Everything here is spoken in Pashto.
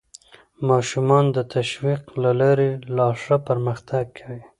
ماشومان د تشویق له لارې لا ښه پرمختګ کوي